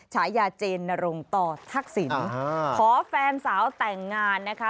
ฉายาเจรนณ์ลงตตอร์ทอักษินขอแฟนสาวแต่งงานนะคะ